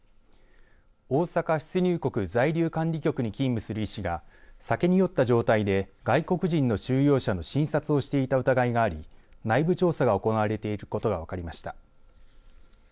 大阪出入国在留管理局に勤務する医師が酒に酔った状態で外国人の収容者の診察をしていた疑いがあり内部調査が行われていることが分かりました。